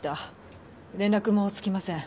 連絡もつきません。